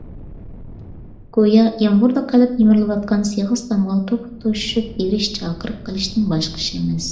گويا يامغۇردا قېلىپ يېمىرىلىۋاتقان سېغىز تامغا توپا توشۇشۇپ بېرىش چاقىرىقى قىلىشتىن باشقا ئىش ئەمەس.